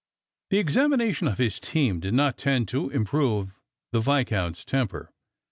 The examination of his team did not tend to improve the Viscount's temper.